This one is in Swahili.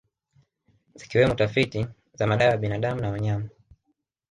Zikiwemo tafiti za madawa ya binadamu na wanyama